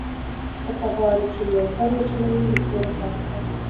که ته غواړې چې موټر وچلوې نو پوره پام کوه.